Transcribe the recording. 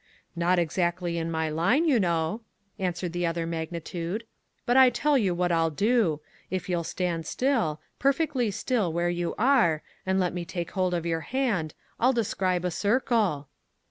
"Not exactly in my line, you know," answered the other magnitude, "but I tell you what I'll do, if you'll stand still, perfectly still where you are, and let me take hold of your hand, I'll describe a circle!"